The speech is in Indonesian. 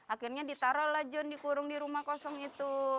akhirnya ditaruh lah john dikurung di rumah kosong itu